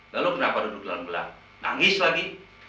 lalu kenapa duduk gelap gelap nangis lagi